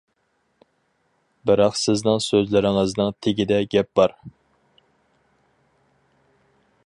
بىراق سىزنىڭ سۆزلىرىڭىزنىڭ تېگىدە گەپ بار.